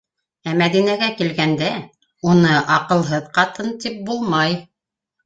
Ә Мәҙинәгә килгәндә, уны «аҡылһыҙ ҡатын» тип булмай.